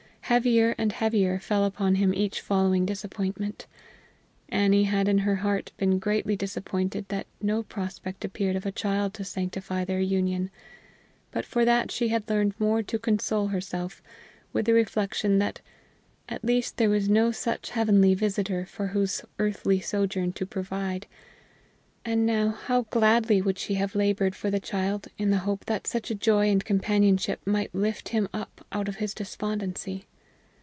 Heavier and heavier fell upon him each following disappointment. Annie had in her heart been greatly disappointed that no prospect appeared of a child to sanctify their union; but for that she had learned more than to console herself with the reflection that at least there was no such heavenly visitor for whose earthly sojourn to provide; and now how gladly would she have labored for the child in the hope that such a joy and companionship might lift him up out of his despondency!